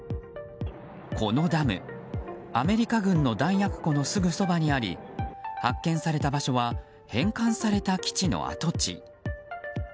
このダム、アメリカ軍の弾薬庫のすぐそばにあり発見された場所は返還された基地の跡地。